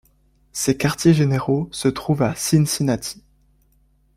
Ses quartiers généraux se trouvent à Cincinnati.